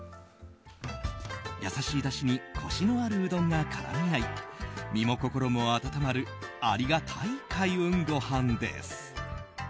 優しいだしにコシのあるうどんが絡み合い身も心も温まるありがたい開運ごはんです。